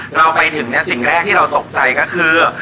เราไปถึงสิ่งแรกที่เรารู้สึกใจก็คือ